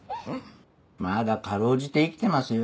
まだ辛うじて生きてますよ